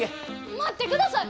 待ってください！